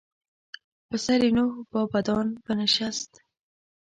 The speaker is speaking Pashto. پسر نوح با بدان بنشست.